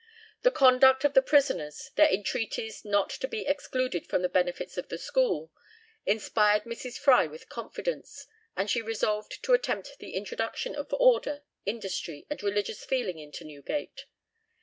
The conduct of the prisoners, their entreaties not to be excluded from the benefits of the school, inspired Mrs. Fry with confidence, and she resolved to attempt the introduction of order, industry, and religious feeling into Newgate.